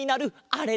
あれ？